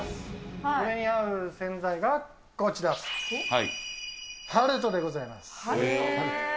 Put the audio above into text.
これに合う洗剤がこちら、ハルトでございます。